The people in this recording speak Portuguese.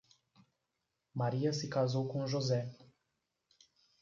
Maria se casou com José.